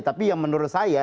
tapi yang menurut saya